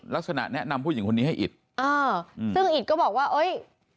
ลักษณะแนะนำผู้หญิงคนนี้ให้อิดอ่าซึ่งอิตก็บอกว่าเอ้ย